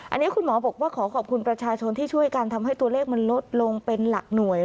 อันนี้คุณหมอบอกว่าขอขอบคุณประชาชนที่ช่วยกันทำให้ตัวเลขมันลดลงเป็นหลักหน่วย